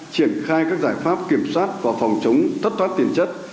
triển khai các giải pháp kiểm soát và phòng chống thất thoát tiền chất